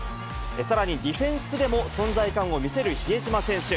さらにディフェンスでも、存在感を見せる比江島選手。